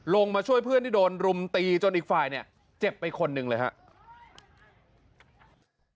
ลงมาช่วยเพื่อนที่โดนรุมตีจนอีกฝ่ายเนี่ยเจ็บไปคนหนึ่งเลยครับ